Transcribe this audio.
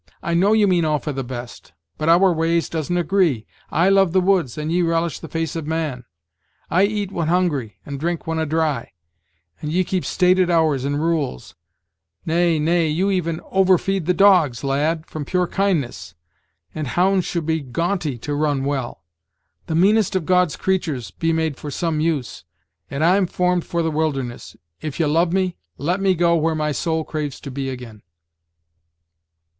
I know you mean all for the best, but our ways doesn't agree. I love the woods, and ye relish the face of man; I eat when hungry, and drink when a dry; and ye keep stated hours and rules; nay, nay, you even over feed the dogs, lad, from pure kindness; and hounds should be gaunty to run well. The meanest of God's creatures be made for some use, and I'm formed for the wilderness, If ye love me, let me go where my soul craves to be agin!"